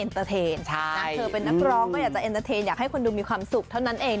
ใช่เธอเป็นนักร้องก็อยากจะอยากให้คนดูมีความสุขเท่านั้นเอง